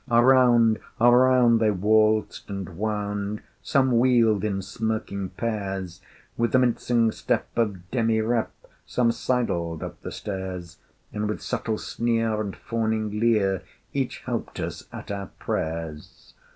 Around, around, they waltzed and wound; Some wheeled in smirking pairs: With the mincing step of demirep Some sidled up the stairs: And with subtle sneer, and fawning leer, Each helped us at our prayers.